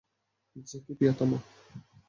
Jackie, Priyotoma!